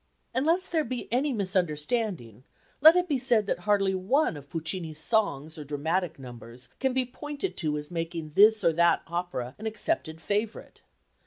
And lest there be any misunderstanding, let it be said that hardly one of Puccini's songs or dramatic numbers can be pointed to as making this or that opera an accepted favourite.